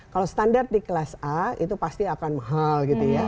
kalau standar di kelas a itu pasti akan mahal